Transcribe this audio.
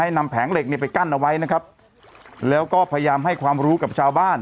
นำแผงเหล็กเนี่ยไปกั้นเอาไว้นะครับแล้วก็พยายามให้ความรู้กับชาวบ้าน